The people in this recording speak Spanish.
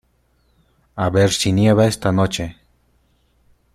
A ver si nieva esta noche.